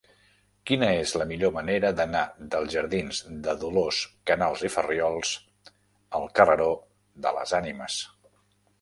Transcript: Quina és la millor manera d'anar dels jardins de Dolors Canals i Farriols al carreró de les Ànimes?